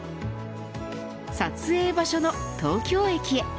撮影場所の東京駅へ。